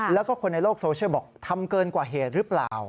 แล้วก็คนในโลกโซเชียลบอกทำเกินกว่าเหตุหรือเปล่า